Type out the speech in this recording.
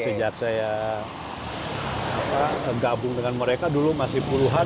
sejak saya gabung dengan mereka dulu masih puluhan